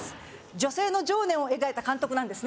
女性の情念を描いた監督なんです